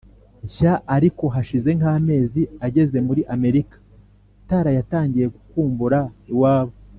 nshya Ariko hashize nk amezi ageze muri Amerika Tara yatangiye gukumbura iwabo